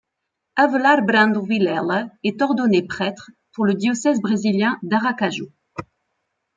Avelar Brandão Vilela est ordonné prêtre le pour le diocèse brésilien d'Aracaju.